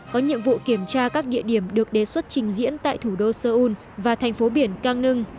có nhiệm vụ kiểm tra các địa điểm được đề xuất trình diễn tại thủ đô seoul và thành phố biển kang nung